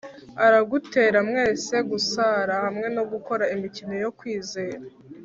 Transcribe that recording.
aragutera mwese gusara hamwe no gukora imikino yo kwizera